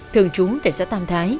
thường trú tại xã tam thái